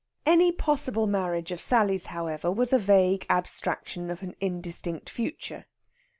Any possible marriage of Sally's, however, was a vague abstraction of an indistinct future.